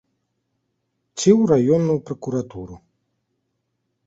Ці ў раённую пракуратуру.